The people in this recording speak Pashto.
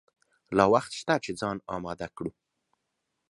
لا وخت شته چې ځان آمده کړو.